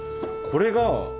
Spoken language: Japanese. これが。